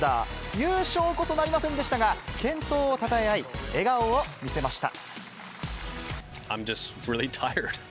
優勝こそなりませんでしたが、健闘をたたえ合い、笑顔を見せました。